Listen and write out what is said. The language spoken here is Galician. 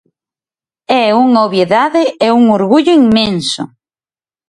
É unha obviedade e un orgullo inmenso.